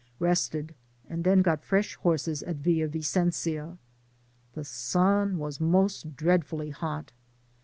Bested, and th^ got fre^ horses at Villa Vicen* da. The sun was most dreadfully hot.